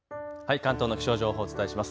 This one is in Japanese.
関東の気象情報、お伝えします。